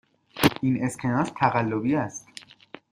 این اسکناس تقلبی است.